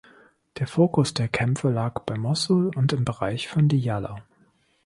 Der Fokus der Kämpfe lag bei Mossul und im Bereich von Diyala.